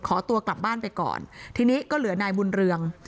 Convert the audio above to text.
ขอตัวกลับบ้านไปก่อนทีนี้ก็เหลือนายบุญเรือง